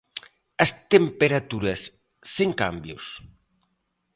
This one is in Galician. As temperaturas sen cambios.